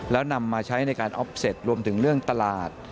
แล้วนำมาใช้ในการออฟเสร็จรวมถึงเรื่องตลาด